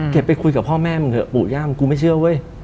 ไปคุยกับพ่อแม่มึงเถอะปู่ย่ามึงกูไม่เชื่อเว้ย